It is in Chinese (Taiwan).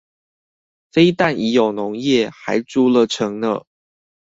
非但已有農業，還築了城呢！